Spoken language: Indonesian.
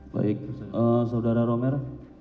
baik saudara romer